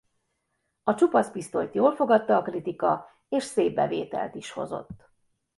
A Csupasz pisztolyt jól fogadta a kritika és szép bevételt is hozott.